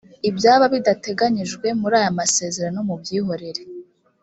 ibyaba bidateganyijwe muri aya masezerano mubyihorere